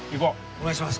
お願いします